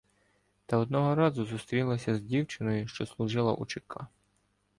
Та одного разу зустрілася з дівчиною, що служила у ЧК.